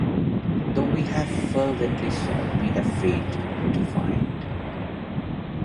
Though we have fervently sought we have failed to find.